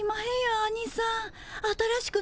アニさん！